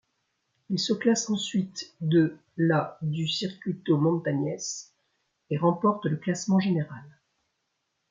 Il se classe ensuite de la du Circuito Montañés et remporte le classement général.